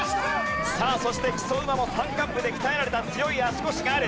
さあそして木曽馬も山間部で鍛えられた強い足腰がある。